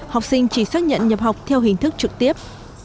học sinh chỉ xác nhận nhập học theo hình thức trực tiếp